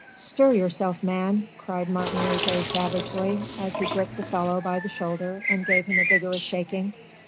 "Stir yourself, man," cried Martin Roget savagely, as he gripped the fellow by the shoulder and gave him a vigorous shaking.